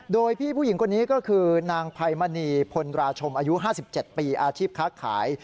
โดยพี่ผู้หญิงคนนี้ก็คือนางไพมณีพลราชมอายุ๕๗ปีอาชีพค้าขาย